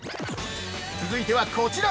◆続いては、こちら。